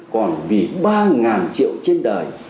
còn vì ba triệu trên đời